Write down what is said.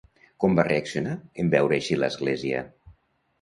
Com va reaccionar en veure així l'església?